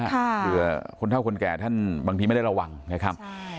เผื่อคนเท่าคนแก่ท่านบางทีไม่ได้ระวังนะครับ